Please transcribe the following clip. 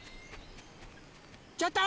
ちょっと！